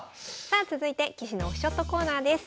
さあ続いて棋士のオフショットコーナーです。